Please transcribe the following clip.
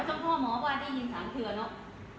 อ๋อจังห้อม้อป้ายได้ยินสามเทือนเนาะ